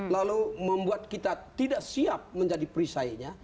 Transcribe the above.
lalu membuat kita tidak siap menjadi perisainya